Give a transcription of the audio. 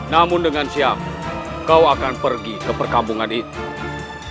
namun dengan siap kau akan pergi ke perkampungan itu